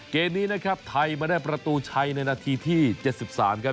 เกมนี้นะครับไทยมาได้ประตูชัยในนาทีที่๗๓ครับ